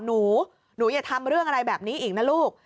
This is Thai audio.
หนูหนูอย่าทำเรื่องอะไรแบบนี้อีกนะลูก